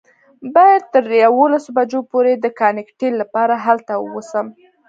باید تر یوولسو بجو پورې د کاکټیل لپاره هلته ووسم.